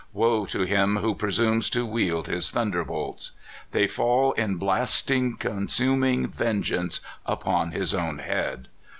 Woe to him who presumes to wield his thunderbolts! They fall in blasting, consuming vengeance upon his own head.